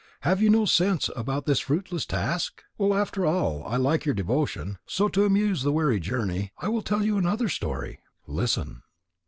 Have you no sense about this fruitless task? Well, after all, I like your devotion. So, to amuse the weary journey, I will tell you another story. Listen."